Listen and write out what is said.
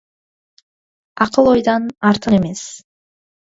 Ақыл ойдан артық емес.